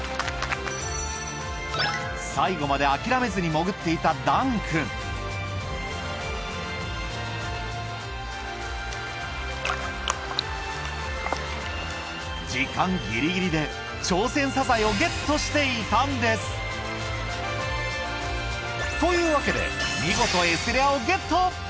最後まで諦めずに潜っていた談くん時間ギリギリでチョウセンサザエをゲットしていたんですというわけで見事Ｓレアをゲット！